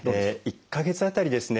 １か月当たりですね